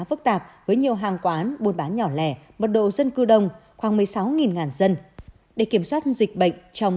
phức tạp với nhiều hàng quán buôn bán nhỏ lẻ mật độ dân cư đông khoảng một mươi sáu dân để kiểm soát dịch bệnh trong